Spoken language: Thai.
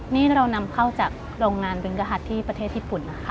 นี่เรานำเข้าจากโรงงานดึงกะฮัดที่ประเทศญี่ปุ่น